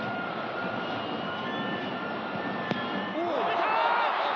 止めた！